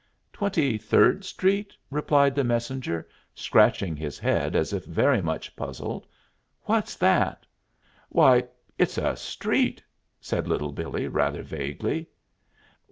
"Twenty Third Street?" replied the messenger, scratching his head as if very much puzzled. "What's that?" "Why, it's a street," said Little Billee rather vaguely.